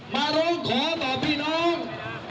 มาร้องขอต่อพี่น้อง